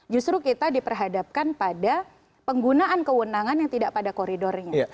justru kita diperhadapkan pada penggunaan kewenangan yang tidak pada koridornya